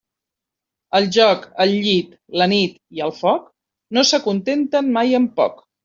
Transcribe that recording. El joc, el llit, la nit i el foc no s'acontenten mai amb poc.